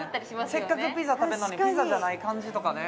せっかくピザ食べんのにピザじゃない感じとかね